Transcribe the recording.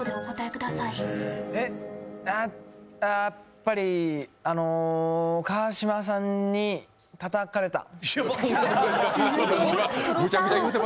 やっぱり、川島さんにたたかれた。